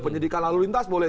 penyidikan lalu lintas boleh